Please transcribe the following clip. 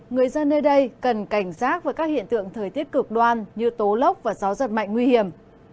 người dân nơi đây cần cảnh giác với các hiện tượng thời tiết cực đoan như tố lốc và gió giật mạnh nguy hiểm